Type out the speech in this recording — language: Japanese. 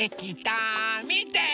みて！